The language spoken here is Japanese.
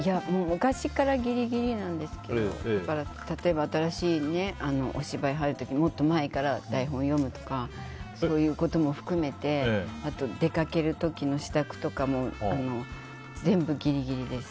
昔からギリギリなんですけど例えば、新しいお芝居入る時にもっと前から台本を読むとかそういうことも含めてあと、出かける時の支度とかも全部ギリギリです。